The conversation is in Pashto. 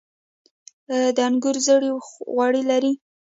د انګورو زړې غوړي لري.